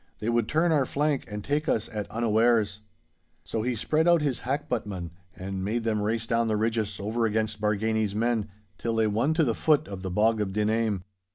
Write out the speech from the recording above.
They would turn our flank and take us at unawares!' So he spread out his hackbuttmen, and made them race down the ridges over against Bargany's men, till they won to the foot of the Bog of Dinhame.